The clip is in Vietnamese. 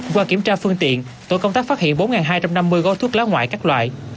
qua kiểm tra phương tiện tổ công tác phát hiện bốn hai trăm năm mươi gói thuốc lá ngoại các loại